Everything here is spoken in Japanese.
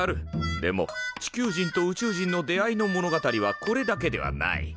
でも地球人と宇宙人の出会いの物語はこれだけではない。